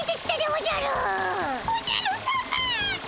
おじゃるさま！